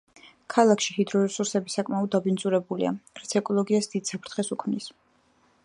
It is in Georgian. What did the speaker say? ქალაქში ჰიდრო რესურსები საკმაოდ დაბინძურებულია, რაც ეკოლოგიას დიდ საფრთხეს უქმნის.